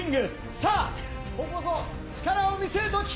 さあ、ここぞ力を見せるとき。